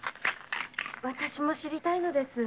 わたしも知りたいのです。